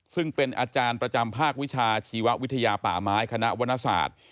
ซึ่งเป็นอาจารย์ประจำภาควิชาชีววิทยาป่าไม้คณะวรรณศาสตร์